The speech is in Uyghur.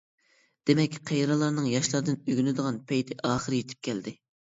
دېمەك، قېرىلارنىڭ ياشلاردىن ئۆگىنىدىغان پەيتى ئاخىرى يېتىپ كەلدى.